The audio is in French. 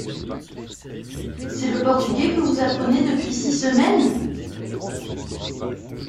C’est le portugais que vous apprenez depuis six semaines !